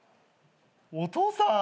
お父さん。